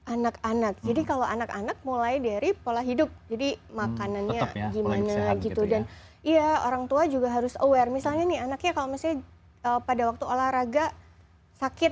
anak anak jadi kalau anak anak mulai dari pola hidup jadi makanannya gimana gitu dan iya orang tua juga harus aware misalnya nih anaknya kalau misalnya pada waktu olahraga sakit